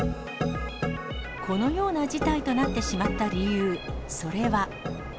このような事態となってしまった理由、それは。